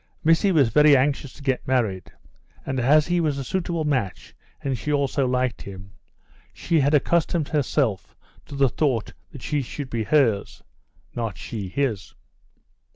Missy was very anxious to get married, and as he was a suitable match and she also liked him, she had accustomed herself to the thought that he should be hers (not she his).